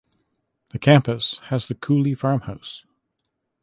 The campus has the Cooley Farmhouse.